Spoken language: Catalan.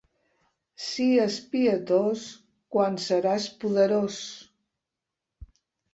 Sies pietós quan seràs poderós.